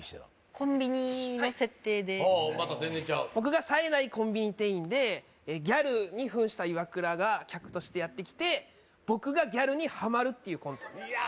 コンビニの設定でまた全然ちゃう僕がさえないコンビニ店員でギャルにふんしたイワクラが客としてやってきて僕がギャルにはまるっていうコントですいやー